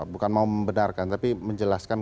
bukan mau membenarkan tapi menjelaskan